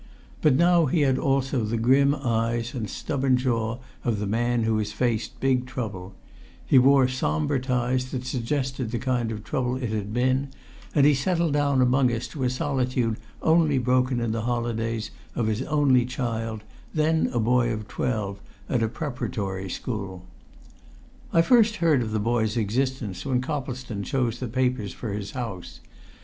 But now he had also the grim eyes and stubborn jaw of the man who has faced big trouble; he wore sombre ties that suggested the kind of trouble it had been; and he settled down among us to a solitude only broken in the holidays of his only child, then a boy of twelve at a preparatory school. I first heard of the boy's existence when Coplestone chose the papers for his house.